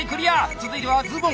続いてはズボン！